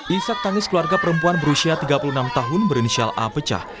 isat tangis keluarga perempuan berusia tiga puluh enam tahun berinisial apecah